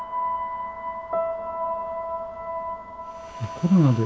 コロナで？